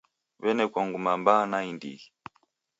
W'enekwa nguma mbaa naindighi.